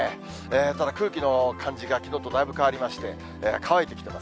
ただ、空気の感じが、きのうとだいぶ変わりまして、乾いてきてます。